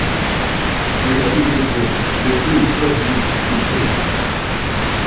Se alimenta de crustáceos y peces.